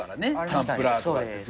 サンプラーとかって。